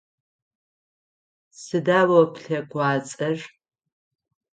Сыда о плъэкъуацӏэр?